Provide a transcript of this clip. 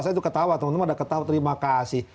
saya juga ketawa teman teman ada ketawa terima kasih